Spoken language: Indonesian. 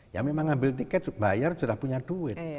ya memang ngambil tiket bayar sudah punya duit